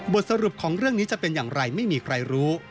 สรุปของเรื่องนี้จะเป็นอย่างไรไม่มีใครรู้